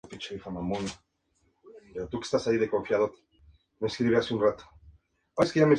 Eric Clapton y Jack Bruce dejaron el grupo ese año para formar Cream.